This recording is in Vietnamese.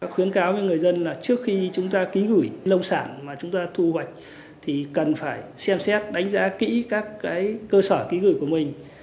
khuyến cáo với người dân là trước khi chúng ta ký gửi nông sản mà chúng ta thu hoạch thì cần phải xem xét đánh giá kỹ các cơ sở ký gửi của mình